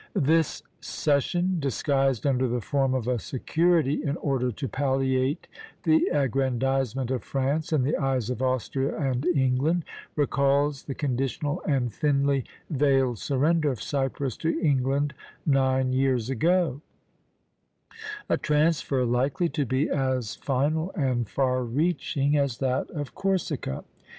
This cession, disguised under the form of a security in order to palliate the aggrandizement of France in the eyes of Austria and England, recalls the conditional and thinly veiled surrender of Cyprus to England nine years ago, a transfer likely to be as final and far reaching as that of Corsica.